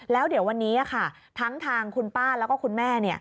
แล้วเดี๋ยววันนี้ค่ะทั้งทางคุณป้าแล้วก็คุณแม่